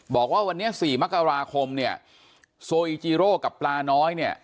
บอกว่าวันนี้๔มกราคมเนี่ยโซอีจีโร่กับปลาน้อยเนี่ย